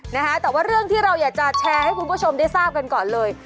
นะฮะแต่ว่าเรื่องที่เราอยากจะแชร์ให้คุณผู้ชมได้ทราบกันก่อนเลย